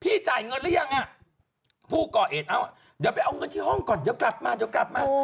พี่จ่ายเงินแล้วยังผู้ก่อเหตุเอาไปเอาเงินที่ห้องก่อนเดี๋ยวกลับมา